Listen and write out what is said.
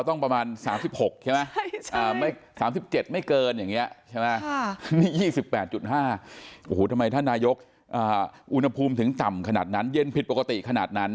ทำไมท่านนายกอุณหภูมิถึงต่ำขนาดนั้นเย็นผิดปกติขนาดนั้น